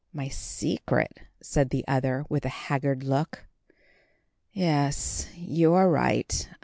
"My secret!" said the other, with a haggard look. "Yes, you are right.